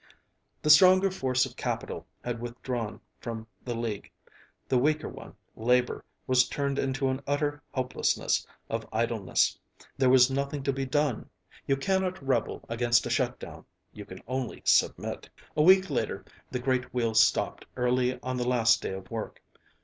The stronger force of capital had withdrawn from the league; the weaker one, labor, was turned into an utter helplessness of idleness. There was nothing to be done; you cannot rebel against a shut down, you can only submit. A week later the great wheel stopped early on the last day of work.